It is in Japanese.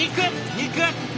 肉！